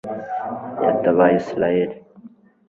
yatabaye israheli